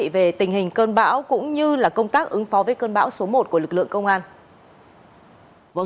về tình hình cơn bão cũng như công tác ứng phó với cơn bão số một của lực lượng công an